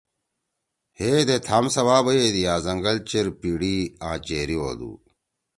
ہے دے تھام سوا بَیدی آ زنگل چیر پیڑی آ چیری ہودو ۔